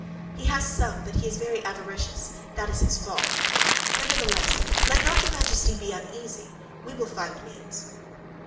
"He has some, but he is very avaricious; that is his fault. Nevertheless, let not your Majesty be uneasy, we will find means."